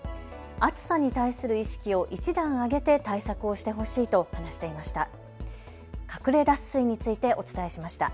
暑さに対する意識を１段上げて対策をしてほしいと話していました。